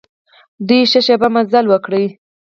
دوی ښه شېبه مزل وکړ.